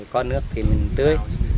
có nước thì mình tươi